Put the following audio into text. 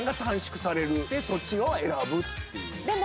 そっちを選ぶっていう。